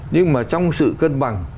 nhưng mà trong sự cân bằng